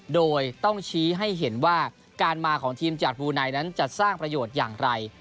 โดยต้องชี้ให้เห็นว่าการมาของทีมจากบูไนนั้นจะสร้างประโยชน์อย่างไร